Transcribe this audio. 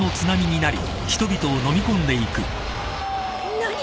何！？